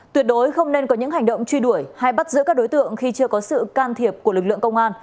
tuyệt đối không nên có những hành động truy đuổi hay bắt giữ các đối tượng khi chưa có sự can thiệp của lực lượng công an